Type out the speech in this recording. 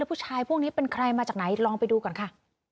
ผู้ชายพวกนี้เป็นใครมาจากไหนลองไปดูก่อนค่ะ